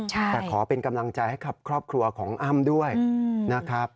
แต่ขอเป็นกำลังใจให้กับครอบครัวของอ้ำด้วยนะครับ